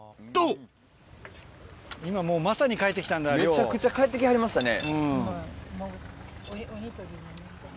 めちゃくちゃ帰ってきはりましたね。